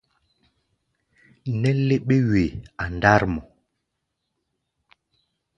Nɛ́ léɓé-wee a ndár mɔ.